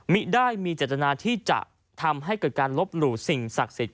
ไม่ได้มีเจตนาที่จะทำให้เกิดการลบหลู่สิ่งศักดิ์สิทธิ